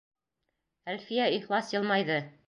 Әлфиә ихлас йылмайҙы.